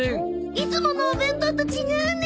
いつものお弁当と違うね。